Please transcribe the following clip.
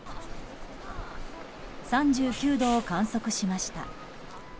３９度を観測しました。